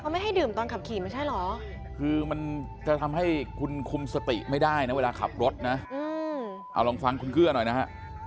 ไม่ให้ดื่มตอนขับขี่ไม่ใช่เหรอคือมันจะทำให้คุณคุมสติไม่ได้นะเวลาขับรถนะเอาลองฟังคุณเกื้อหน่อยนะฮะ